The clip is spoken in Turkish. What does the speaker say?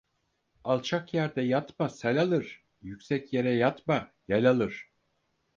Alçak yerde yatma sel alır, yüksek yere yatma yel alır.